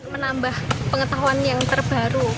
menambah pengetahuan yang terbaru